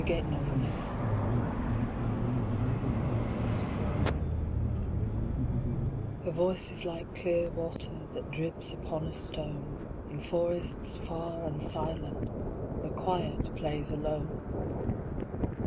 A Fantasy Her voice is like clear water That drips upon a stone In forests far and silent Where Quiet plays alone.